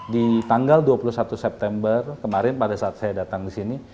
di tanggal dua puluh satu september kemarin pada saat saya datang di sini